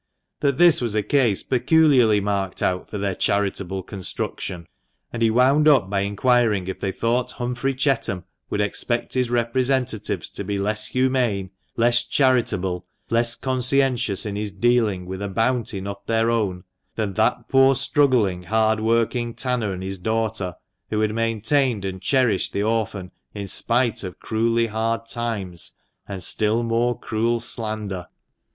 That this was a case peculiarly marked out for their charitable construction. And he wound up by inquiring if they thought Humphrey Chetham would expect his representatives to be less humane, less charitable, less conscientious in dealing with a bounty not their own, than that poor struggling, hard working tanner and his daughter, who had maintained and cherished the orphan in spite of cruelly hard times, and still more cruel slander.